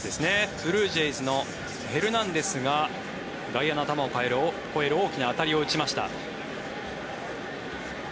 ブルージェイズのヘルナンデスが外野の頭を越える大きな当たりを打ちました。